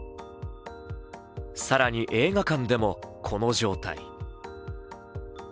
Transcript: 更に映画館でもこの状態。